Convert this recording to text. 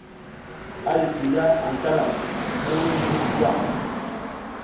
A yikiy ya aƞ Kalaf hiriwiy ngi Muturwa.